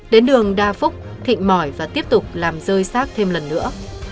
đến đường đa phúc thịnh mỏi và tiếp tục làm rơi sát thêm lần nữa